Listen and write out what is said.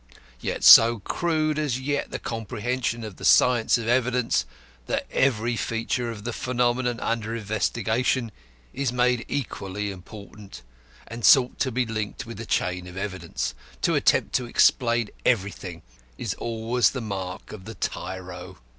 Yet, so crude is as yet the comprehension of the science of evidence, that every feature of the phenomenon under investigation is made equally important, and sought to be linked with the chain of evidence. To attempt to explain everything is always the mark of the tyro.